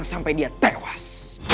sampai dia tewas